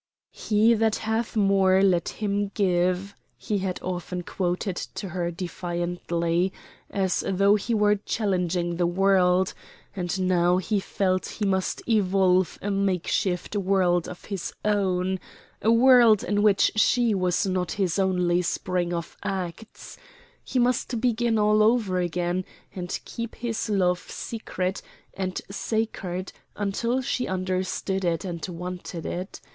"He that hath more let him give," he had often quoted to her defiantly, as though he were challenging the world, and now he felt he must evolve a make shift world of his own a world in which she was not his only spring of acts; he must begin all over again and keep his love secret and sacred until she understood it and wanted it.